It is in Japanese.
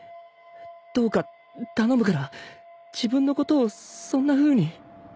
どうか頼むから自分のことをそんなふうに